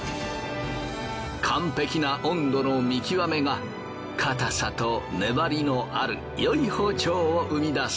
完璧な温度の見極めが硬さと粘りのあるよい包丁を生み出す。